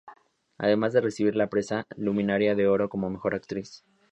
Además de recibir la Presea Luminaria de Oro como mejor actriz.